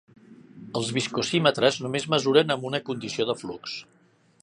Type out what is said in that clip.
Els viscosímetres només mesuren amb una condició de flux.